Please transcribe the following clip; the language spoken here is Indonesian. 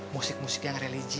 musik musik yang religi